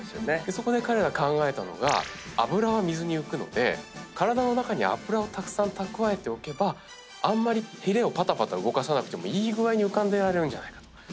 そこで彼ら考えたのが脂は水に浮くので体の中に脂をたくさん蓄えておけばあんまりひれを動かさなくてもいい具合に浮かんでいられるんじゃないかと。